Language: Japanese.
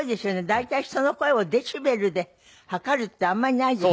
大体人の声をデシベルで測るってあんまりないですよ。